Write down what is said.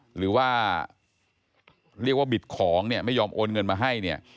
หรือว่าเรียกว่าบิดของเนี่ยไม่ยอมโอนเงินมาให้เนี่ย